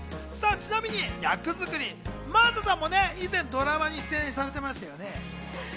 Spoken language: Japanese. ちなみに役作り、真麻さんも以前、ドラマに出演されてましたよね。